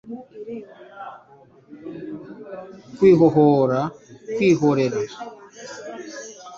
Kwihorera abicanyi ba Jacques Molay